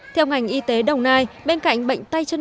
theo ngành y tế đồng nai bên cạnh bệnh tay chân